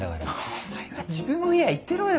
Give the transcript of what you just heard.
お前は自分の部屋行ってろよ。